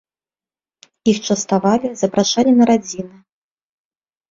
Іх частавалі, запрашалі на радзіны.